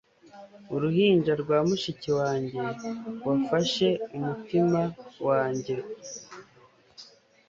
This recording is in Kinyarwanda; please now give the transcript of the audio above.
uruhinja rwa mushiki wanjye wafashe umutima wanjye